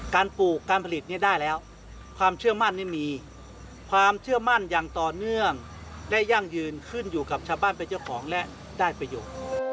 ปลูกการผลิตเนี่ยได้แล้วความเชื่อมั่นนี่มีความเชื่อมั่นอย่างต่อเนื่องได้ยั่งยืนขึ้นอยู่กับชาวบ้านเป็นเจ้าของและได้ประโยชน์